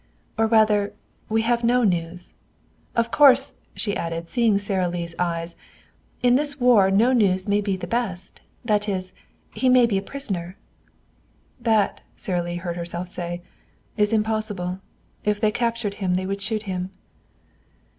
"Or rather, we have no news. Of course," she added, seeing Sara Lee's eyes, "in this war no news may be the best that is, he may be a prisoner." "That," Sara Lee heard herself say, "is impossible. If they captured him they would shoot him."